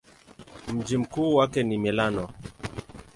Mji mkuu wake ni Milano.